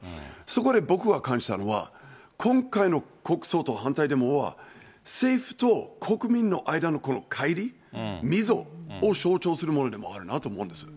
そこで僕が感じたのは、今回の国葬と反対デモは、政府と国民の間のかい離、溝を象徴するものでもあるなと思うんです。